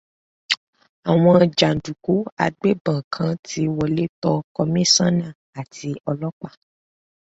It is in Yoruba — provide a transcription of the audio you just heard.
Àwọn jàǹdùkú agbébọn kan ti wọlé tọ kọmíṣọ́nnà àti ọlọ́pàá.